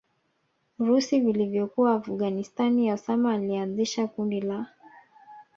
urusi vilivyokuwa Afghanstani Osama alianzisha kundi la